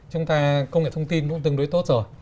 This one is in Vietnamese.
chúng ta công nghệ thông tin cũng tương đối tốt rồi